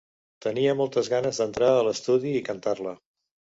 Tenia moltes ganes d'entrar a l'estudi i cantar-la.